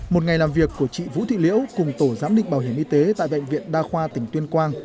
một ngày làm việc của chị vũ thị liễu cùng tổ giám định bảo hiểm y tế tại bệnh viện đa khoa tỉnh tuyên quang